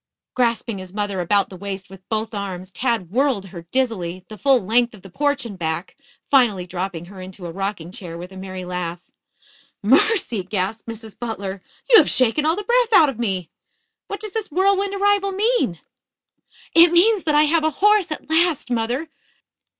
Grasping his mother about the waist with both arms, Tad whirled her dizzily, the full length of the porch and back, finally dropping her into a rocking chair with a merry laugh. "Mercy!" gasped Mrs. Butler. "You have shaken all the breath out of me. What does this whirlwind arrival mean?" "It means that I have a horse at last, mother.